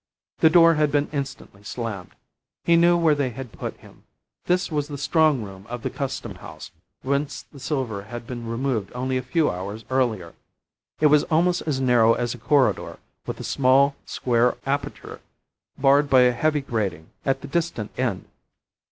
The door had been instantly slammed. He knew where they had put him. This was the strong room of the Custom House, whence the silver had been removed only a few hours earlier. It was almost as narrow as a corridor, with a small square aperture, barred by a heavy grating, at the distant end.